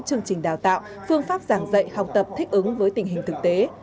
chương trình đào tạo phương pháp giảng dạy học tập thích ứng với tình hình thực tế